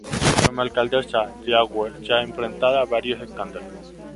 Como alcaldesa, Yagüe se ha enfrentado a varios escándalos.